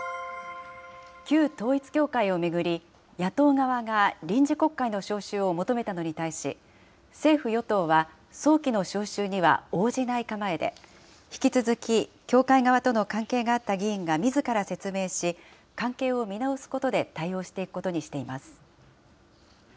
旧統一教会を巡り、野党側が臨時国会の召集を求めたのに対し、政府・与党は、早期の召集には応じない構えで、引き続き教会側との関係があった議員がみずから説明し、関係を見直すことで対応していくことにしています。